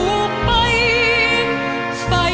ยอมอาสันก็พระปองเทศพองไทย